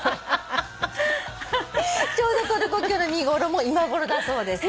ちょうどトルコキキョウの見頃も今頃だそうです。